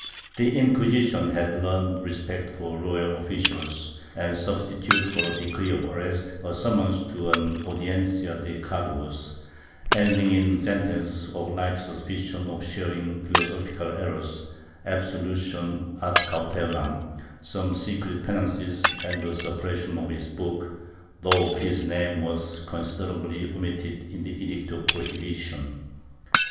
The Inquisition had learned respect for royal officials and substituted for a decree of arrest a summons to an audiencia de cargos, ending in a sentence of light suspicion of sharing philosophic errors, absolution ad cautelam, some secret penances and the suppression of his book, though his name was considerately omitted in the edict of prohibition.